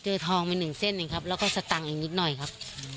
ทองไปหนึ่งเส้นเองครับแล้วก็สตังค์อีกนิดหน่อยครับ